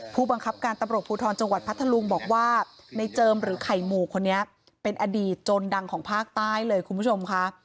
ผู้บังคับการตำรวจภูทรจังหวัดพัทธลุงบอกว่าในเจิมหรือไข่หมู่คนนี้เป็นอดีตโจรดังของภาคใต้เลยคุณผู้ชมค่ะ